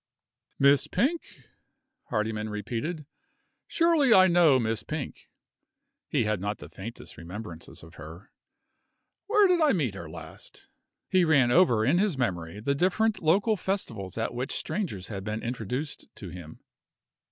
"Miss Pink?" Hardyman repeated. "Surely I know Miss Pink?" (He had not the faintest remembrances of her.) "Where did I meet her last?" (He ran over in his memory the different local festivals at which strangers had been introduced to him.)